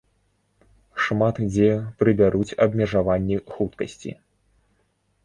Шмат дзе прыбяруць абмежаванні хуткасці.